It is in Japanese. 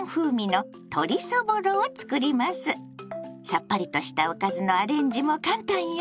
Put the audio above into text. さっぱりとしたおかずのアレンジも簡単よ。